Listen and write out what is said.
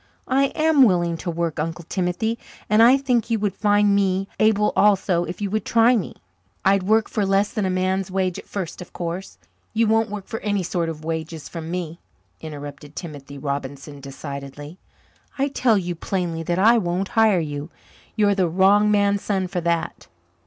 "I am willing to work, Uncle Timothy, and I think you would find me able also if you would try me. I'd work for less than a man's wages at first, of course." "You won't work for any sort of wages from me," interrupted Timothy Robinson decidedly. "I tell you plainly that I won't hire you. You're the wrong man's son for that.